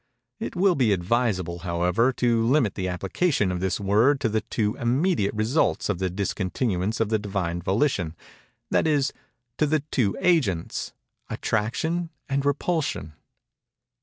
It will be advisable, however, to limit the application of this word to the two immediate results of the discontinuance of the Divine Volition—that is, to the two agents, Attraction and Repulsion.